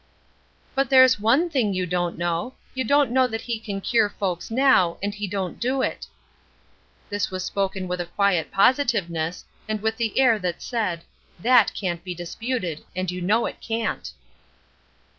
"But there's one thing you don't know. You don't know that he can cure folks now, and he don't do it." This was spoken with a quiet positiveness, and with the air that said, "That can't be disputed, and you know it can't."